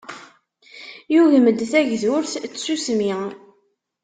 Yugem-d tagdurt n tsusmi.